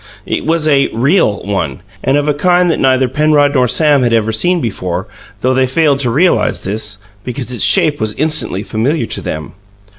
It was a "real" one, and of a kind that neither Penrod nor Sam had ever seen before, though they failed to realize this, because its shape was instantly familiar to them.